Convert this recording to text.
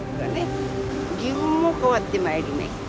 自分も変わってまいりました。